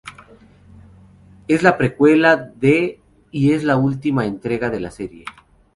Es la precuela de y es la Última Entrega de la serie.